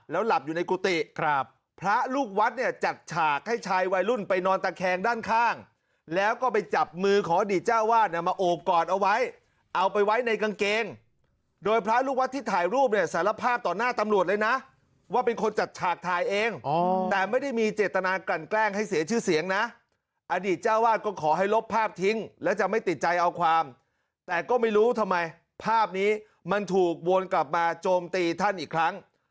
แล้วหลับอยู่ในกุฏิครับพระลูกวัดเนี่ยจัดฉากให้ชายวัยรุ่นไปนอนตาแคงด้านข้างแล้วก็ไปจับมือของอดีตเจ้าวาสมาโอกอดเอาไว้เอาไปไว้ในกางเกงโดยพระลูกวัดที่ถ่ายรูปเนี่ยสารภาพต่อหน้าตำรวจเลยนะว่าเป็นคนจัดฉากถ่ายเองแต่ไม่ได้มีเจตนากลั่นแกล้งให้เสียชื่อเสียงนะอดีตเจ้าวาสก็ขอให้ลบภา